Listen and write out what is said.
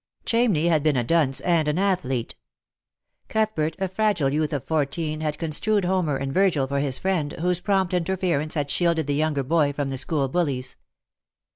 Chamney had been a dunce and an athlete. Cuthbert, a fragile youth of fourteen, had construed Homer and Virgil for his friend, whose prompt interference had shielded the younger boy from the school bullies.